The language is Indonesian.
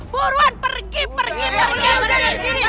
buruan pergi pergi pergi